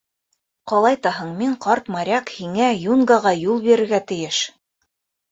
Ҡалайтаһың, мин, ҡарт моряк, һиңә, юнгаға, юл бирергә тейеш.